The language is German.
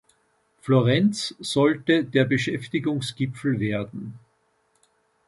Florenz sollte der Beschäftigungsgipfel werden.